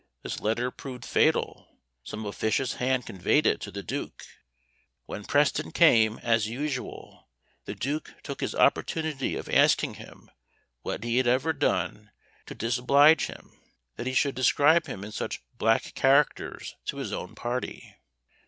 This letter proved fatal; some officious hand conveyed it to the duke! When Preston came, as usual, the duke took his opportunity of asking him what he had ever done to disoblige him, that he should describe him in such black characters to his own party?